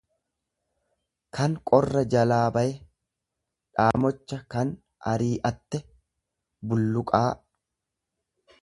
kan qorra jalaa baye, dhaamocha kan arii'atte, bulluqaa.